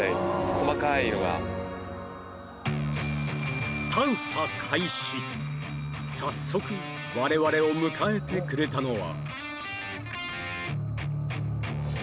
細かいのが早速われわれを迎えてくれたのは？